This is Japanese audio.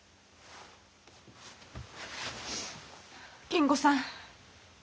金吾さん。